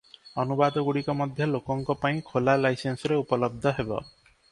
ଅନୁବାଦଗୁଡ଼ିକ ମଧ୍ୟ ଲୋକଙ୍କ ପାଇଁ ଖୋଲା ଲାଇସେନ୍ସରେ ଉପଲବ୍ଧ ହେବ ।